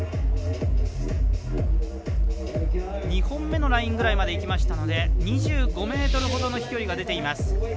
２本目のラインぐらいまでいきましたので２５ｍほどの飛距離が出ています。